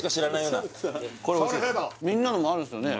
みんなのもあるんですよね？